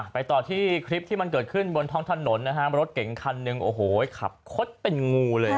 ไปต่อที่คลิปที่มันเกิดขึ้นบนท้องถนนนะฮะรถเก่งคันหนึ่งโอ้โหขับคดเป็นงูเลย